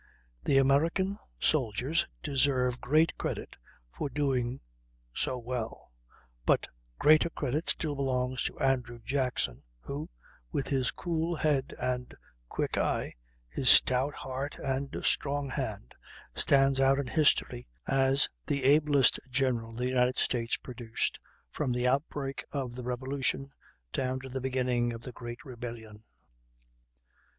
The American soldiers deserve great credit for doing so well; but greater credit still belongs to Andrew Jackson, who, with his cool head and quick eye, his stout heart and strong hand, stands out in history as the ablest general the United States produced, from the outbreak of the Revolution down to the beginning of the Great Rebellion.